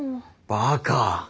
バカ！